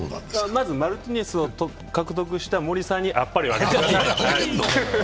まずマルティネスを獲得した森さんにあっぱれをあげてください。